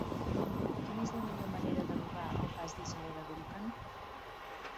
Quina és la millor manera d'arribar al pas d'Isadora Duncan?